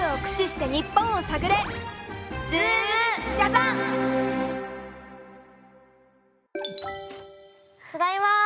ただいま。